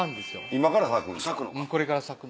今から咲く？